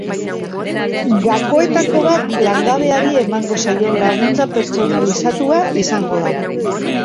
Gakoetako bat langabeari emango zaion laguntza pertsonalizatua izango da.